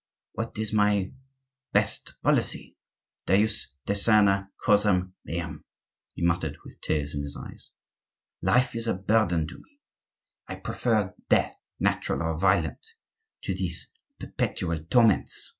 What is my best policy? Deus, discerne causam meam!" he muttered with tears in his eyes. "Life is a burden to me! I prefer death, natural or violent, to these perpetual torments!"